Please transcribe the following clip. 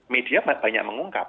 media banyak mengungkap